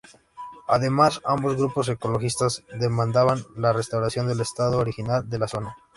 Además, ambos grupos ecologistas, demandaban la restauración al estado original de la zona.